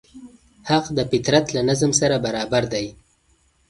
حق د فطرت له نظم سره برابر دی.